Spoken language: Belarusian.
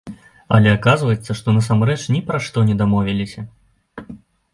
Але аказваецца, што насамрэч ні пра што не дамовіліся.